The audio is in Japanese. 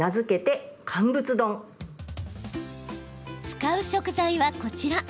使う食材は、こちら。